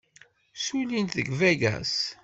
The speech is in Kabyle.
Ssullint deg Vegas.